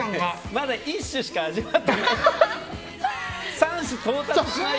まだ１種しか味わってない。